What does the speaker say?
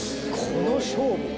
この勝負！